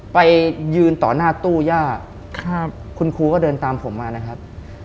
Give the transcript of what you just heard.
ไปยืนต่อหน้าตู้ย่าครับคุณครูก็เดินตามผมมานะครับ